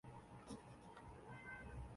加兹罕在河中地区拥立新汗。